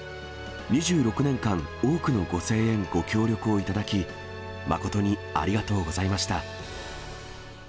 ２６年間、多くのご声援、ご協力を頂き、誠にありがとうございました。